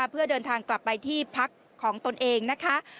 เพื่อเดินทางกลับไปที่พักของตนเองนะคะ